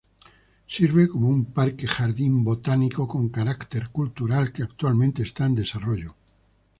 Sirve como un parque-jardín botánico con carácter cultural que actualmente está en desarrollo.